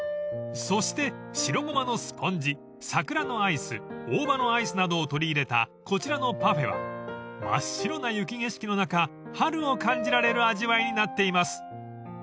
［そして白ごまのスポンジ桜のアイス大葉のアイスなどを取り入れたこちらのパフェは真っ白な雪景色の中春を感じられる味わいになっています］